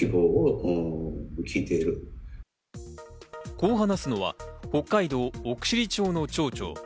こう話すのは北海道奥尻町の町長。